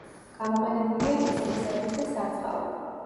გამოყენებულია ჰესებისათვის და სარწყავად.